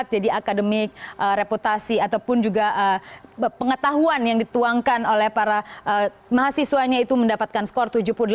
jadi akademik reputasi ataupun juga pengetahuan yang dituangkan oleh para mahasiswanya itu mendapatkan skor tujuh puluh delapan empat